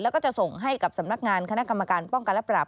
แล้วก็จะส่งให้กับสำนักงานคณะกรรมการป้องกันและปราบ